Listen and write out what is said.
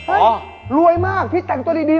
เอ้อรวยมากที่แต่งตัวดี